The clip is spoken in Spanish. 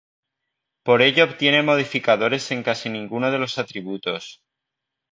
Por ello obtiene modificadores en casi ninguno de los atributos.